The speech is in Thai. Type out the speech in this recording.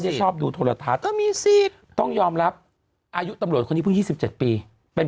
ชอบดูโทรทัศน์ต้องยอมรับอายุตำรวจคนนี้เพิ่ง๒๗ปีเป็น